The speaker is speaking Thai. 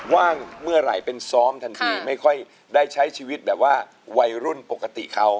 ว่างเมื่อไหร่เป็นซ้อมทันทีไม่ค่อยได้ใช้ชีวิตแบบว่าวัยรุ่นปกติเขา